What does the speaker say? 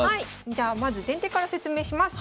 じゃあまず前提から説明します。